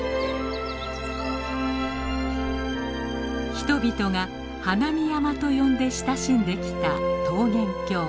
人々が花見山と呼んで親しんできた桃源郷